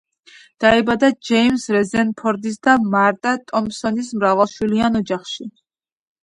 დაიბადა ჯეიმზ რეზერფორდის და მარტა ტომპსონის მრავალშვილიან ოჯახში.